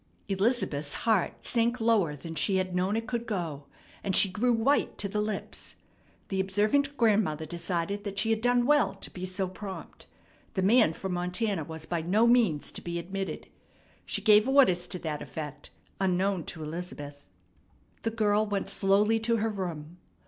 Elizabeth's heart sank lower than she had known it could go, and she grew white to the lips. The observant grandmother decided that she had done well to be so prompt. The man from Montana was by no means to be admitted. She gave orders to that effect, unknown to Elizabeth. The girl went slowly to her room.